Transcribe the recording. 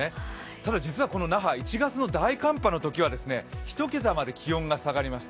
ただこの那覇、１月の大寒波のときには１桁まで気温が下がりました。